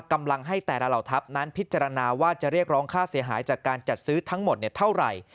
กำลังให้แต่ละเหล่าทัพนั้นพิจารณาว่าจะเรียกร้องค่าเสียหายจากการจัดซื้อทั้งหมดเท่าไหร่